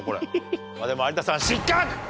でも有田さん失格！